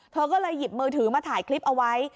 เธอก็เลยหยิบมือถือมาถ่ายคลิปเอาไว้